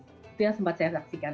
itu yang sempat saya saksikan